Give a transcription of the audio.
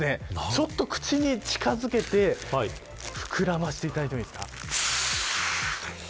ちょっと口に近づけて膨らましていただいてもいいですか。